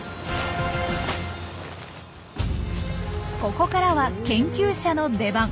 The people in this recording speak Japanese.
ここからは研究者の出番。